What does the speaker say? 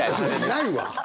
ないわ！